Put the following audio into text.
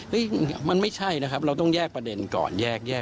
นี่มันไม่ใช่นะครับเราต้องแยกประเด็นก่อนแยกแยก